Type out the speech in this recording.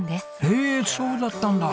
へえそうだったんだ！